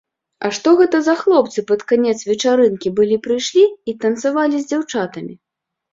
А што гэта за хлопцы пад канец вечарынкі былі прыйшлі і танцавалі з дзяўчатамі?